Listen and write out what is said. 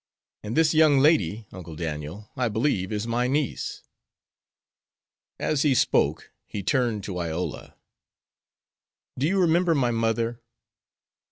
And this young lady, Uncle Daniel, I believe is my niece." As he spoke he turned to Iola. "Do you remember my mother?"